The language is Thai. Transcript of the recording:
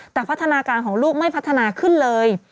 แต่พัฒนาการของลูกไม่พัฒนาขึ้นเลย